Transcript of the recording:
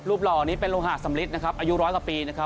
หล่อนี้เป็นโลหะสำลิดนะครับอายุร้อยกว่าปีนะครับ